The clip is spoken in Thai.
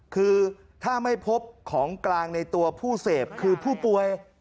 คือถ้าไม่พบของกลางในตัวผู้เสพคือผู้ป่วย